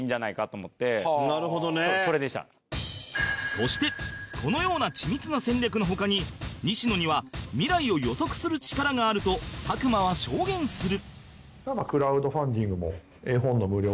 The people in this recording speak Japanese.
そしてこのような緻密な戦略の他に西野には未来を予測する力があると佐久間は証言する